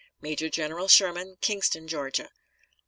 Major General SHERMAN, Kingston, Ga.